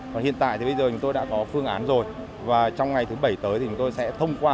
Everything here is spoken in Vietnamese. còn hiện tại thì bây giờ chúng tôi đã có phương án rồi và trong ngày thứ bảy tới thì chúng tôi sẽ thông qua